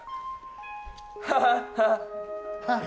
ハハ、ハハ。